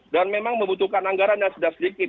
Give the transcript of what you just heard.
dan memang membutuhkan anggaran yang sedikit